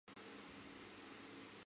沙奈人口变化图示